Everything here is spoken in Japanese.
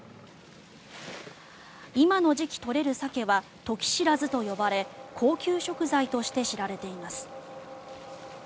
今の時期取れるサケはトキシラズと呼ばれ高級食材として知られています。